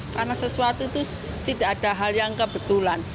karena sesuatu itu tidak ada hal yang kebetulan